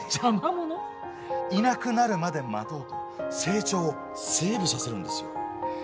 いなくなるまで待とうと成長をセーブさせるんですよ。